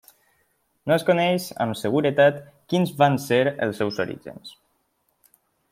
No es coneix amb seguretat quins van ser els seus orígens.